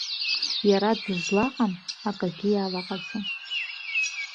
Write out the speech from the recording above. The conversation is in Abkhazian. Иара дызлаҟам акагьы иалаҟаӡам.